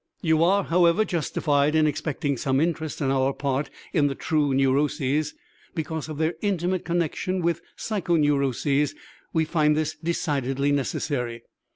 You are, however, justified in expecting some interest on our part in the true neuroses. Because of their intimate connection with psychoneuroses we find this decidedly necessary.